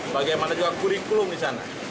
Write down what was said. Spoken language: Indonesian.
bagaimana juga kurikulum di sana